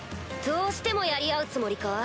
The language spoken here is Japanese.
どうしてもやり合うつもりか？